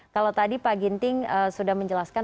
kalau tadi pak ginting sudah menjelaskan